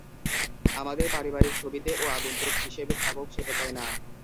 আমাদের পারিবারিক ছবিতে ও আগুন্তুক হিসেবে থাকুক সেটা চাই না!